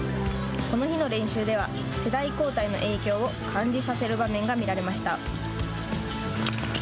この日の練習では世代交代の影響を感じさせる場面が見られました。